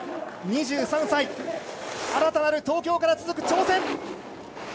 ２３歳、新たなる東京から続く挑戦。